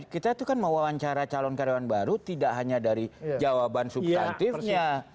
kita itu kan mewawancara calon karyawan baru tidak hanya dari jawaban substantifnya